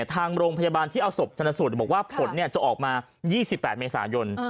ทางโรงพยาบาลที่เอาศพชนสูตรบอกว่าผลจะออกมา๒๘เมษายน